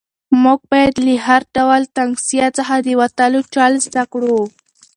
موږ باید له هر ډول تنګسیا څخه د وتلو چل زده کړو.